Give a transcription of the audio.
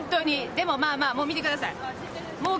でもまあまあ、もう見てください。